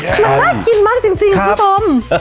มันน่ากินมากจริงทุกชม